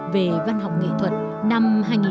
về văn học nghệ thuật năm hai nghìn một mươi